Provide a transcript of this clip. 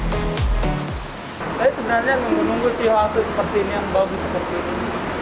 jadi sebenarnya nunggu nunggu sih halte seperti ini yang bagus seperti ini